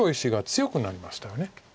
強くなりました。